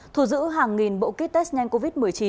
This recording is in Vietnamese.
thu giữ hàng nghìn bộ kit test nhanh covid một mươi chín